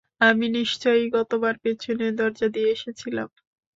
আমি নিশ্চয়ই গতবার পেছনের দরজা দিয়ে এসেছিলাম।